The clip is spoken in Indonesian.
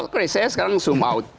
oke saya sekarang zoom out